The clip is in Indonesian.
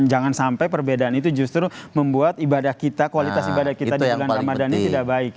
jangan sampai perbedaan itu justru membuat ibadah kita kualitas ibadah kita di bulan ramadhan ini tidak baik